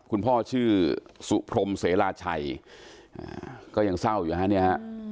พ่อชื่อสุพรมเสราชัยก็ยังเศร้าอยู่ฮะเนี่ยฮะ